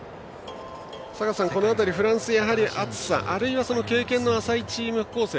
坂田さん、この辺りフランスは暑さあるいは経験の浅いチーム構成